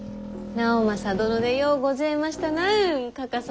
直政殿でようごぜましたなうんかか様。